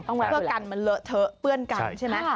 เพื่อกันมันเลอะเทอะเปื้อนกันใช่ไหม